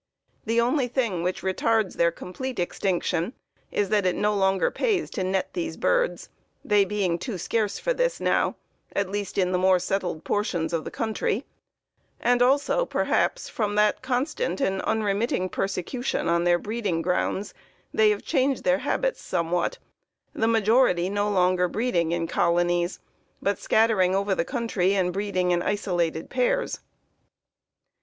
The only thing which retards their complete extinction is that it no longer pays to net these birds, they being too scarce for this now, at least in the more settled portions of the country, and also, perhaps, that from constant and unremitting persecution on their breeding grounds they have changed their habits somewhat, the majority no longer breeding in colonies, but scattering over the country and breeding in isolated pairs.